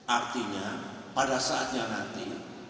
artinya pada saatnya nanti